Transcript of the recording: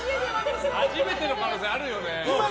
初めての可能性あるよね。